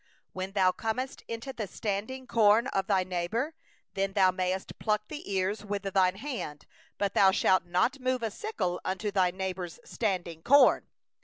26When thou comest into thy neighbour's standing corn, then thou mayest pluck ears with thy hand; but thou shalt not move a sickle unto thy neighbour's standing corn.